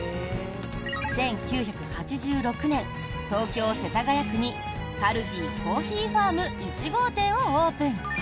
１９８６年、東京・世田谷区にカルディコーヒーファーム１号店をオープン。